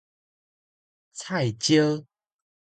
菜椒